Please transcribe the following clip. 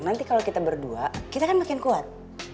nanti kalau kita berdua kita kan makin kuat